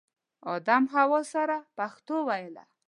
ادم حوا سره پښتو ویله